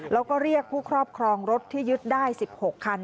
แล้วก็เรียกผู้ครอบครองรถที่ยึดได้๑๖คัน